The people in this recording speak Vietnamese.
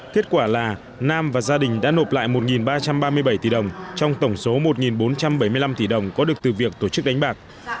kết quả là nam và gia đình đã nộp lại một ba trăm ba mươi bảy tỷ đồng trong tổng số một bốn trăm bảy mươi năm tỷ đồng có được từ việc tổ chức đánh bạc